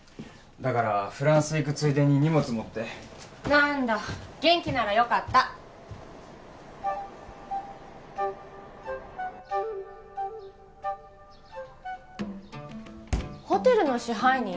だからフランス行くついでに荷物持って何だ元気ならよかったホテルの支配人？